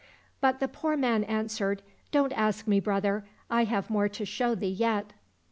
But the poor man answered, " Don't ask me, brother. I have more to show thee yet."